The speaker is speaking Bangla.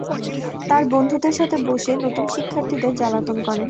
তার বন্ধুদের সাথে বসে নতুন শিক্ষার্থীদের জালাতন করে।